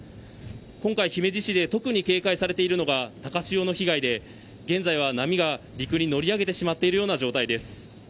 今回、姫路市で特に警戒されているのが高潮の被害で現在は波が陸に乗り上げているような状態です。